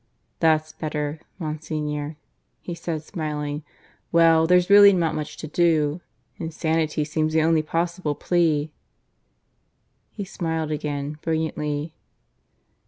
"That's better, Monsignor," he said, smiling. ... "Well, there's really not much to do. Insanity seems the only possible plea." He smiled again, brilliantly.